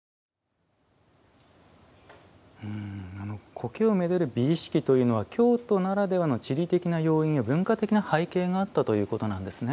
苔をめでる美意識というのは京都ならではの地理的な要因や文化的な背景があったということなんですね